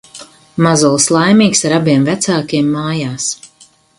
Mazulis laimīgs ar abiem vecākiem mājās.